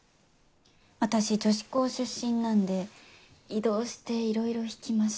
私女子校出身なんで異動していろいろ引きました。